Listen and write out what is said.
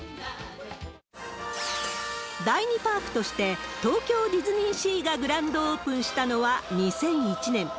第２パークとして、東京ディズニーシーがグランドオープンしたのは２００１年。